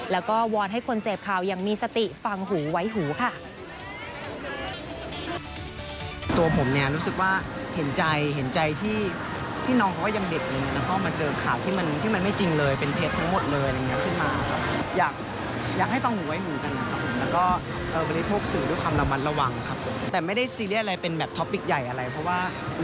แล้วก็วอนให้คนเสพข่าวยังมีสติฟังหูไว้หูค่ะ